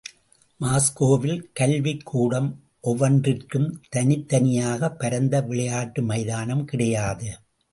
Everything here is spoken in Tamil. மாஸ்கோவில் கல்விக் கூடம் ஒவ்வொன்றிற்கும் தனித் தனியாக பரந்த விளையாட்டு மைதானம் கிடையாது.